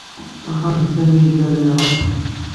Axxam n Sami yella la ireɣɣ.